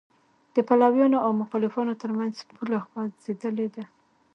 د پلویانو او مخالفانو تر منځ پوله خوځېدلې ده.